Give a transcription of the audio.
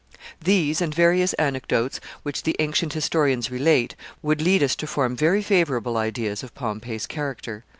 ] These, and various anecdotes which the ancient historians relate, would lead us to form very favorable ideas of Pompey's character.